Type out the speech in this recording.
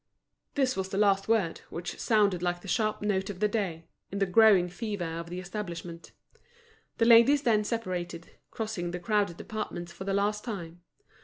This was the last word, which sounded like the sharp note of the day, in the growing fever of the establishment. The ladies then separated, crossing the crowded departments for the last time.